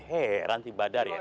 heran si badar ya